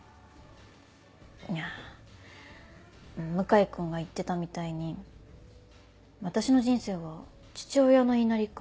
いやぁ向井君が言ってたみたいに私の人生は「父親の言いなりか」